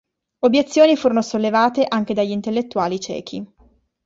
Obiezioni furono sollevate anche dagli intellettuali cechi.